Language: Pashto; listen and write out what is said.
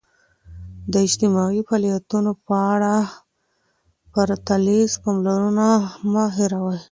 د اجتماعي فعالیتونو په اړه پرتلیزه پاملرنه مه هېروئ.